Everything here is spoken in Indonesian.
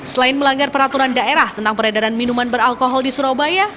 selain melanggar peraturan daerah tentang peredaran minuman beralkohol di surabaya